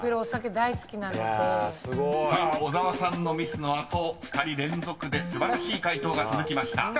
［さあ小沢さんのミスの後２人連続で素晴らしい解答が続きました］